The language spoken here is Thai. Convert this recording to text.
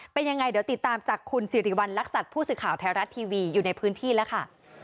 เป็นยังไงเดี๋ยวติดตามจากคุณสิริวัณรักษัตริย์ผู้สื่อข่าวไทยรัฐทีวีอยู่ในพื้นที่แล้วค่ะ